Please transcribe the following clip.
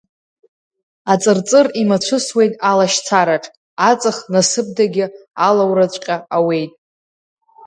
Аҵырҵыр имацәысуеит алашьцараҿ, аҵых насыԥдагьы алаураҵәҟьа ауеит.